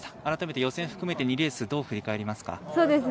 改めて予選含めて２レースどのように振り返りますか？